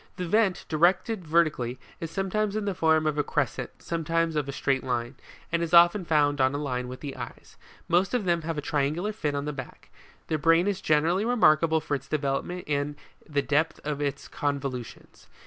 The vent, directed vertically, is sometimes in the form of a crescent, sometimes of a straight line, and is often found on a line with the eyes. Most of them have a triangular fin on the back. Their brain is generally remarkable for its developement and the depth of its convolutions.